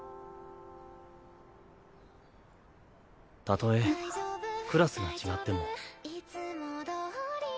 たとえクラスが違っても。